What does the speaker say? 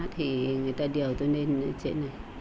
thì người ta điều tôi lên trên này